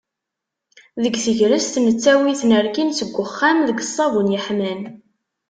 Deg tegrest, nettawi-ten rkin seg uxxam, deg ṣṣabun yeḥman.